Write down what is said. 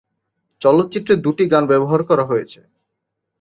চলচ্চিত্রে দুটি গান ব্যবহার করা হয়েছে।